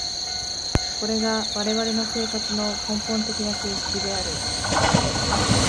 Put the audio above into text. これが我々の生活の根本的な形式である。